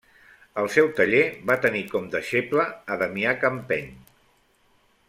Al seu taller va tenir com deixeble a Damià Campeny.